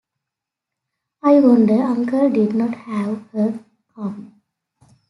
I wonder uncle did not have her come.